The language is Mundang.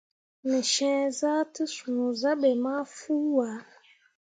Me ceezah te cũũ san ɓe mah fuu ah.